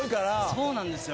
そうなんですよ。